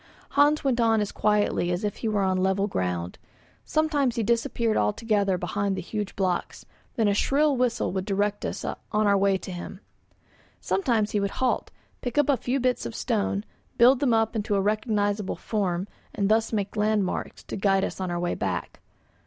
Hans went on as quietly as if he were on level ground; sometimes he disappeared altogether behind the huge blocks, then a shrill whistle would direct us on our way to him. Sometimes he would halt, pick up a few bits of stone, build them up into a recognisable form, and thus made landmarks to guide us in our way back.